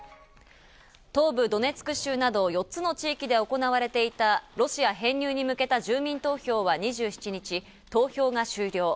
東部ドネツク州など４つの地域で行われていたロシア編入に向けた住民投票は２７日投票が終了。